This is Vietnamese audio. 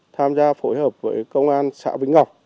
tham gia phối hợp với công an xã vĩnh ngọc